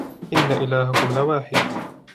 إن إلهكم لواحد